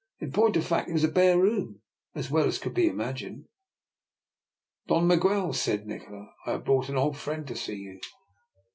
In point of fact, it was as bare a room as well could be imagined. " Don Miguel," said Nikola, " I have brought an old friend to see you.''